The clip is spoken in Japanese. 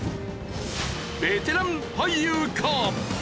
ベテラン俳優か？